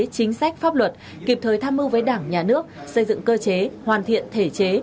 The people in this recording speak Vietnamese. chính sách pháp luật kịp thời tham mưu với đảng nhà nước xây dựng cơ chế hoàn thiện thể chế